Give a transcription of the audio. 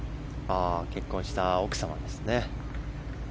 結婚した奥様ですね。